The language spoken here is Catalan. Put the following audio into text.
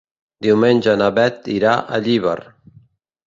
Diumenge na Beth irà a Llíber.